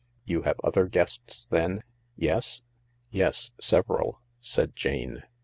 " You have other guests then ? Yes ?" "Yes, several," said Jane.